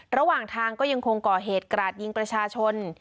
ระหว่างทางก็ยังคงก่อเหตุกราดยิงประชาชน